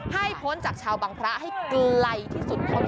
ให้พ้นจากชาวบางพระให้ไกลที่สุด